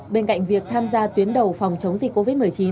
bên cạnh việc tham gia tuyến đầu phòng chống dịch covid một mươi chín